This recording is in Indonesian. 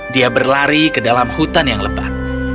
dia berlari ke dalam hutan yang lebat